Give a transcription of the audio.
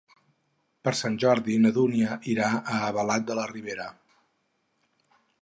Per Sant Jordi na Dúnia irà a Albalat de la Ribera.